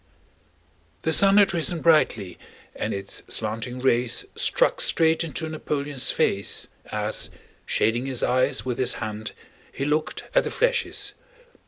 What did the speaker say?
The sun had risen brightly and its slanting rays struck straight into Napoleon's face as, shading his eyes with his hand, he looked at the flèches.